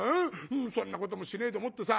そんなこともしねえでもってさ。